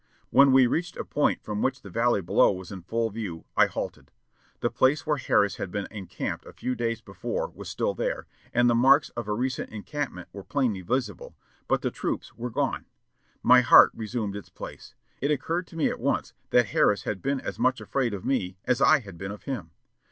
When we reached a point from which the valley below was in full view, I halted. The place where Harris had been encamped a few days before was still there, and the marks of a recent encampment were plainly visible, but the troops were gone. My heart resumed its place. It occurred to me at once that Harris had been as much afraid of me as I had been of him.